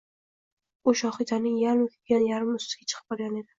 U Shohidaning yarmi kuygan kiyimi ustiga chiqib olgan edi